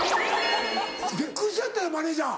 びっくりしはったやろマネジャー。